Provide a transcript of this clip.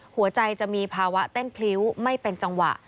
หัวใจจะมีภาวะเต้นพลิ้วไม่เป็นจังหวะ